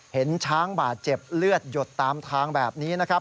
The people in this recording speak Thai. เห็นช้างบาดเจ็บเลือดหยดตามทางแบบนี้นะครับ